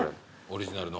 オリジナルの。